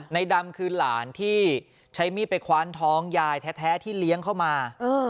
ในดำคือหลานที่ใช้มีดไปคว้านท้องยายแท้ที่เลี้ยงเข้ามา